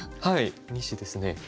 はい２子ですね。